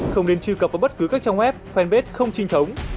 không nên trư cập vào bất cứ các trang web fanpage không trinh thống